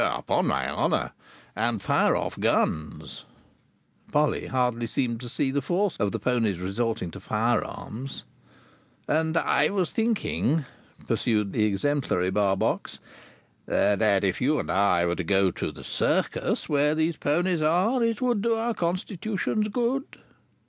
"Upon my honour.—And fire off guns." (Polly hardly seemed to see the force of the ponies resorting to fire arms.) "And I was thinking," pursued the exemplary Barbox, "that if you and I were to go to the Circus where these ponies are, it would do our constitutions good."